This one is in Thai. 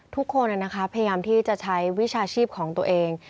ทุกคนพยายามที่จะใช้วิชาชีพของตัวเอง